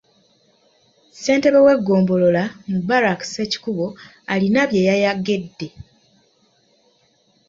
Ssentebe w’eggombolola, Mubarak Ssekikubo alina bye yayagedde.